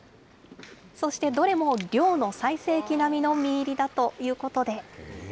そして、どれも漁の最盛期並みの実入りだということで。